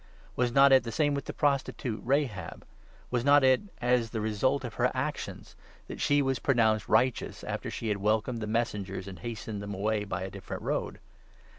Was not it 25 the same with the prostitute, Rahab ? Was not it as the result of her actions that she was pronounced righteous, after she had welcomed the messengers and hastened them away by a different road